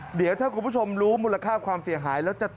เดี๋ยวถ้าคุณผู้ชมรู้มูลค่าความเสียหายแล้วจะ